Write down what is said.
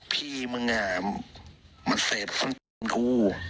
ผู้ชมฟังหน่อยค่ะ